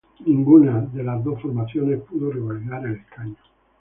Ninguno de las dos formaciones pudo revalidar el escaño.